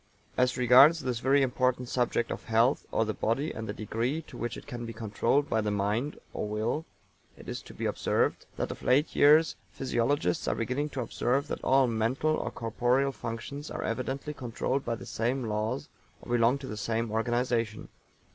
As regards this very important subject of health, or the body, and the degree to which it can be controlled by the mind or will, it is to be observed that of late years physiologists are beginning to observe that all "mental" or corporeal functions are evidently controlled by the same laws or belong to the same organization.